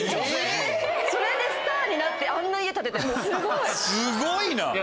すごいな！